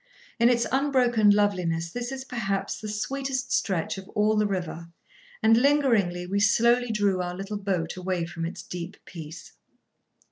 In its unbroken loveliness this is, perhaps, the sweetest stretch of all the river, and lingeringly we slowly drew our little boat away from its deep peace.